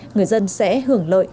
người dân sẽ hưởng lợi